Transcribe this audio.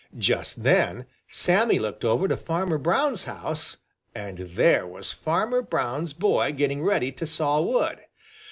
Just then Sammy looked over to Farmer Brown's house, and there was Farmer Brown's boy getting ready to saw wood.